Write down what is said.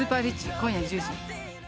今夜１０時。